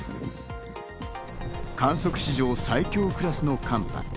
観測史上最強クラスの寒波。